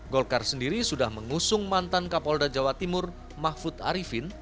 golkar sendiri sudah mengusung mantan kapolda jawa timur mahfud arifin